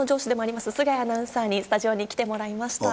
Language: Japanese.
菅谷アナウンサーにスタジオに来てもらいました。